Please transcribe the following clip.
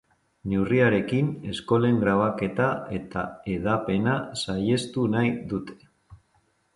Neurriarekin eskolen grabaketa eta hedapena saihestu nahi dute.